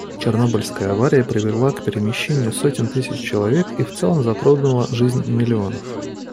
Чернобыльская авария привела к перемещению сотен тысяч человек и в целом затронула жизнь миллионов.